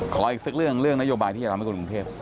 ขออีกสิ่งเรื่องเรื่องนโยบายที่อยากทำให้กลุ่มกรุงเทพ